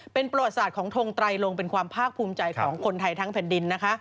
เป็นประวัติศาสตร์ของทงไตรลงเป็นความภาคภูมิใจของคนไทยทั้งแผ่นดินนะคะ